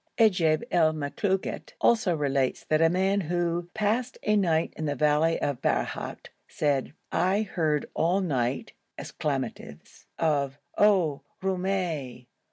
Ajaïb el Makhloukàt also relates that a man who passed a night in the valley of Barahout said: 'I heard all night (exclamatives) of "O Roumèh!